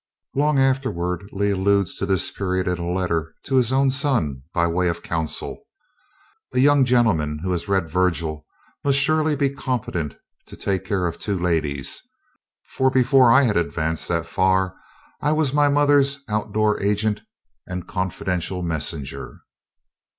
Long afterward, Lee alludes to this period in a letter to his own son, by way of counsel: "A young gentleman who has read Virgil must surely be competent to take care of two ladies; for before I had advanced that far I was my mother's outdoor agent and confidential messenger."